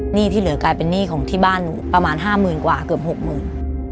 หนี้ที่เหลือกลายเป็นหนี้ของที่บ้านหนูประมาณห้าหมื่นกว่าเกือบหกหมื่น